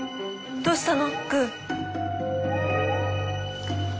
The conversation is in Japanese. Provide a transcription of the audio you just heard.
どうしたの！